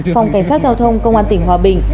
phòng cảnh sát giao thông công an tỉnh hòa bình